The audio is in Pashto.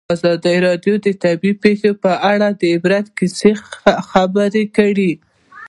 ازادي راډیو د طبیعي پېښې په اړه د عبرت کیسې خبر کړي.